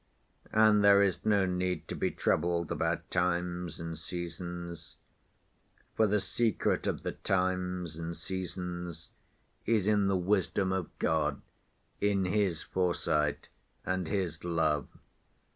And there is no need to be troubled about times and seasons, for the secret of the times and seasons is in the wisdom of God, in His foresight, and His love.